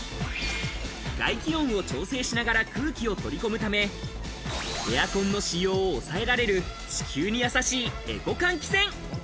外気温を調整しながら空気を取り込むため、エアコンの使用を抑えられる、地球にやさしいエコ換気扇。